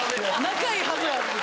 ・仲いいはず。